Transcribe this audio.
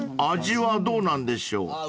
［味はどうなんでしょう］